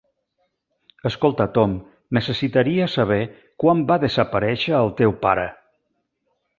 Escolta Tom, necessitaria saber quan va desaparèixer el teu pare.